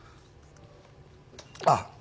あっ。